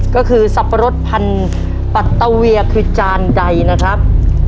ก็คือสับปะรดพันธุ์ปัตตาเวียคือจานใดนะครับ